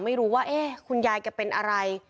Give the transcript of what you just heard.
ไม่รู้ว่าคุณยายแกเป็นอะไร